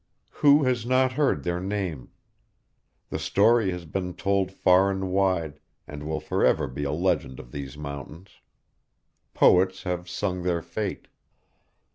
Who has not heard their name? (The story has been told far and wide, and Will forever be a legend of these mountains.) Poets have sung their fate.